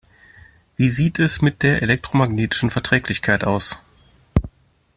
Wie sieht es mit der elektromagnetischen Verträglichkeit aus?